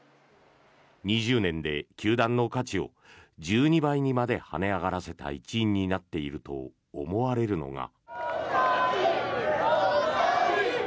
２０年で球団の価値を１２倍にまで跳ね上がらせた一因になっていると思われるのが。